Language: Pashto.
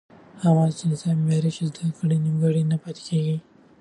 هغه مهال چې نصاب معیاري شي، زده کړه نیمګړې نه پاتې کېږي.